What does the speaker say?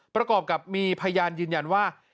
ประกอบกับมีพยานยืนยันว่า